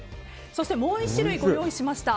そして、もう１種類ご用意しました。